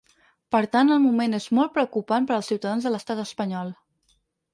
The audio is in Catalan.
Per tant, el moment és molt preocupant per als ciutadans de l’estat espanyol.